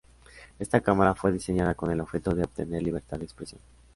Esta cámara fue diseñada con el objetivo de obtener libertad de expresión.